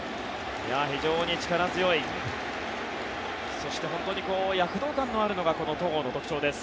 非常に力強いそして本当に躍動感のあるのがこの戸郷の特徴です。